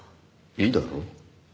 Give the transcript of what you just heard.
いいだろう？